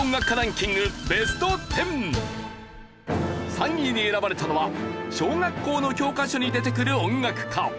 ３位に選ばれたのは小学校の教科書に出てくる音楽家。